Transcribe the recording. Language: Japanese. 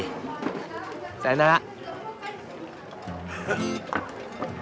さようなら。